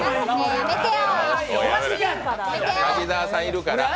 やめてよ！